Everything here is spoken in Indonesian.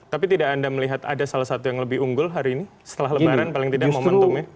tapi tidak anda melihat ada salah satu yang lebih unggul hari ini setelah lebaran paling tidak momentumnya